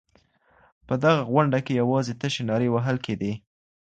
په دغه غونډه کې یوازې تشې نارې وهل کېدې.